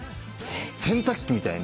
洗濯機みたいに。